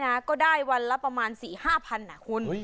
นะก็ได้วันละประมาณสี่ห้าพันน่ะคุณ